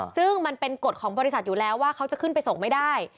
ซึ่งมันเป็นกฎของบริษัทอยู่แล้วว่าเขาจะขึ้นไปส่งไม่ได้